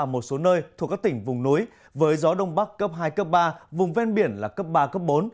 một số nơi thuộc các tỉnh vùng núi với gió đông bắc cấp hai cấp ba vùng ven biển là cấp ba cấp bốn